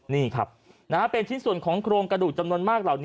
นี่ครับเป็นชิ้นส่วนของโครงกระดูกจำนวนมากเหล่านี้